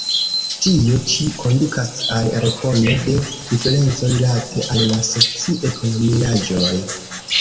Tio ĉi kondukas al rekono de diferenco rilate al la soci-ekonomiaĵoj.